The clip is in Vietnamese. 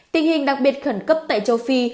tình hình đặc biệt khẩn cấp tại châu phi